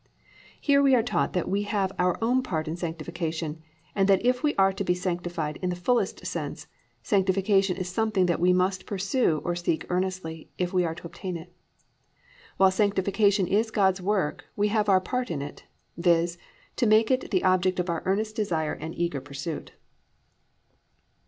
"+ Here we are taught that we have our own part in sanctification, and that if we are to be sanctified in the fullest sense, sanctification is something that we must pursue, or seek earnestly, if we are to obtain it. While sanctification is God's work, we have our part in it, viz., to make it the object of our earnest desire and eager pursuit.